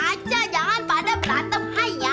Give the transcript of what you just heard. aca aca jangan pada berantem haiya